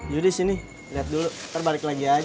yudis sini lihat dulu ntar balik lagi aja